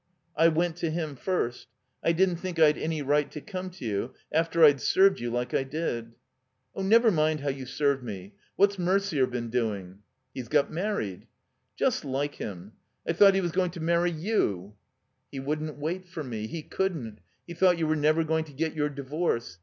"I went to him first. I didn't think I'd any right to come to you — after I'd served you like I did." "Oh, never mind how you served me. What's Merder been doing?" "He's got married." "Jtist like him. I thought he was going to marry your 385 THE COMBINED MAZE •*He wouldn't wait for me. He couldn't. He thought you were never going to get your divorce.